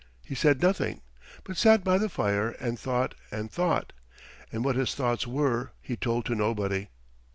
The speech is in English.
He said nothing, but sat by the fire and thought and thought, and what his thoughts were he told to nobody.